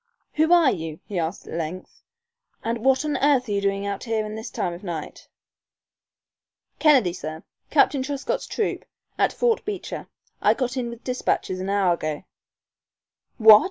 "Who are you?" he asked, at length, "and what on earth are you doing out here this time of night?" "Kennedy, sir. Captain Truscott's troop, at Fort Beecher. I got in with despatches an hour ago " "What!"